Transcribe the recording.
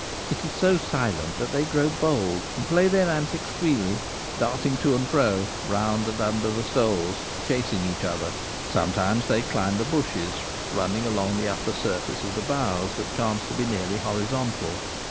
It is so silent that they grow bold, and play their antics freely, darting to and fro, round and under the stoles, chasing each other. Sometimes they climb the bushes, running along the upper surface of the boughs that chance to be nearly horizontal.